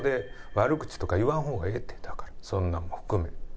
悪口とか言わん方がええってそんなんも含め。